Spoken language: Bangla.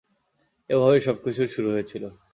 এভাবেই সবকিছুর শুরু হয়েছিল।